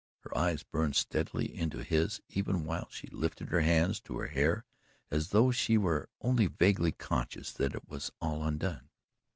Her eyes burned steadily into his, even while she lifted her hands to her hair as though she were only vaguely conscious that it was all undone.